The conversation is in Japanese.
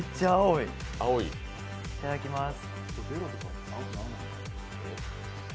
いただきます。